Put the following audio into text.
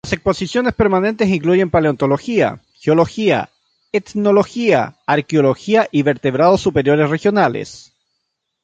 Las exposiciones permanentes incluyen paleontología, geología, etnología, arqueología y vertebrados superiores regionales.